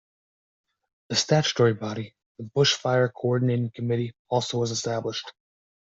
A statutory body - the Bush Fire Co-ordinating Committee - also was established.